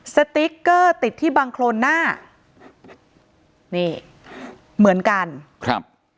สติ๊กเกอร์ติดที่บังโครนหน้านี่เหมือนกันครับ